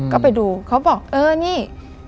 ก็ไปดูเขาบอกเออนี่